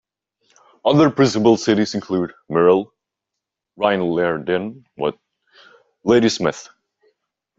Other principal cities include Merrill, Rhinelander, and Ladysmith.